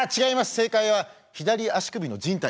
正解は左足首のじん帯です。